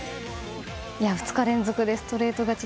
２日連続でストレート勝ち。